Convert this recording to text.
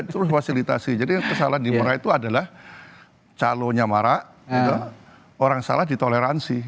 terus fasilitasi jadi kesalahan di marak itu adalah calonnya marah orang salah ditoleransi